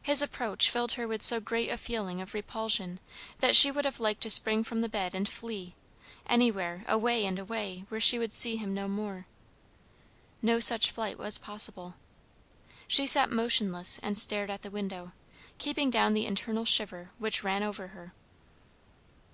His approach filled her with so great a feeling of repulsion that she would have liked to spring from the bed and flee, anywhere, away and away, where she would see him no more. No such flight was possible. She sat motionless and stared at the window, keeping down the internal shiver which ran over her.